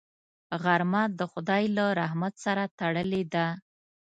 غرمه د خدای له رحمت سره تړلې ده